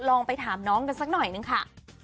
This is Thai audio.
ลองไปถามน้องกันสักหน่อยนึงค่ะ